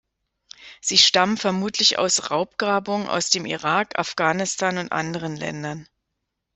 Sie stammen vermutlich aus Raubgrabungen aus dem Irak, Afghanistan und anderen Ländern.